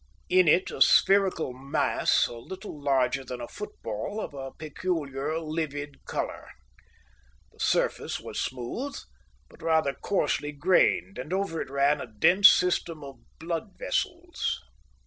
In it a spherical mass, a little larger than a football, of a peculiar, livid colour. The surface was smooth, but rather coarsely grained, and over it ran a dense system of blood vessels.